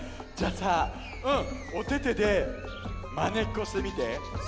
じゃあさおててでまねっこしてみて。